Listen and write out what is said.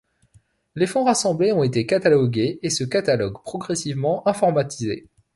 Les fonds rassemblés ont été catalogués, et ce catalogue progressivement informatisé.